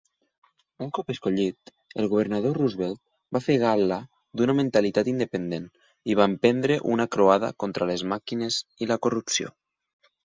Un cop escollit, el governador Roosevelt va fer gal·la d'una mentalitat independent i va emprendre una croada contra les màquines i la corrupció.